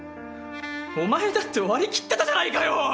お前だって割り切ってたじゃないかよ！